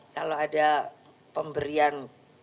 kalau ada pemberian